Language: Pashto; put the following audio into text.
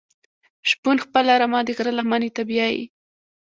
شپون خپله رمه د غره لمنی ته بیایی.